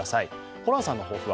ホランさんの抱負は？